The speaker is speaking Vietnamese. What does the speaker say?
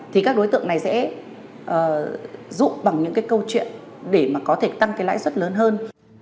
thì các đối tượng này sẽ dụng bằng những câu chuyện để có thể tăng lãi suất lớn hơn